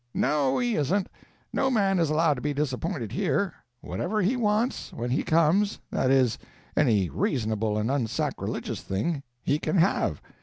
"No, he isn't. No man is allowed to be disappointed here. Whatever he wants, when he comes—that is, any reasonable and unsacrilegious thing—he can have.